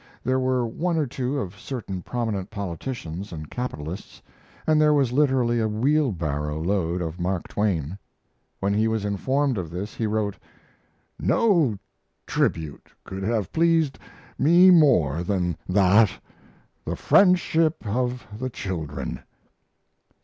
There were one or two of certain prominent politicians and capitalists, and there was literally a wheelbarrow load of Mark Twain. When he was informed of this he wrote: "No tribute could have pleased me more than that the friendship of the children."